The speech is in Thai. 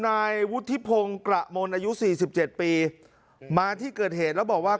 นายวุฒิพงศ์กระมนอายุสี่สิบเจ็ดปีมาที่เกิดเหตุแล้วบอกว่า